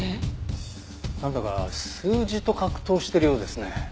なんだか数字と格闘してるようですね。